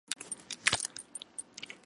包含小学部和中学部。